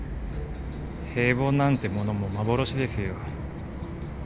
平凡なんてものも幻ですよ。